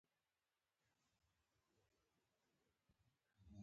هغه خپل سر په لاسونو کې ونیو او زګیروی یې وکړ